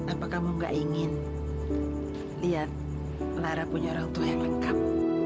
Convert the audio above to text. apa kamu gak ingin lihat lara punya orang tua yang lengkap